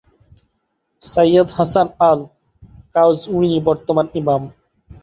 Syed Hassan al-Qazwini বর্তমান ইমাম।